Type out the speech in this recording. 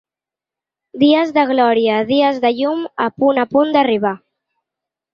Dies de glòria, dies de llum, a punt a punt d’arribar.